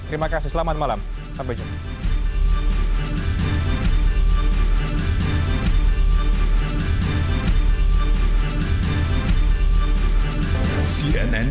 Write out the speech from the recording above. terima kasih selamat malam sampai jumpa